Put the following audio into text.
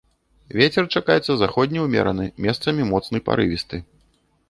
Вецер чакаецца заходні ўмераны, месцамі моцны парывісты.